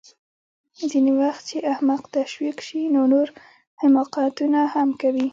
ځینې وخت چې احمق تشویق شي نو نور حماقتونه هم کوي